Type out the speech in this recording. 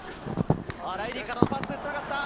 ライリーからのパスがつながった！